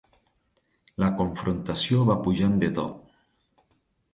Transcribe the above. La confrontació va pujant de to.